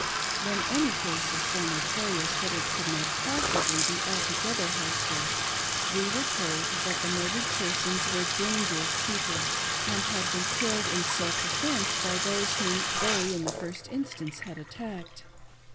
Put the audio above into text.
When any case was so notorious that it could not possibly be altogether hushed up, we were told that the murdered persons were dan gerous people and had been killed in self defence by those whom they in the first instance had attacked.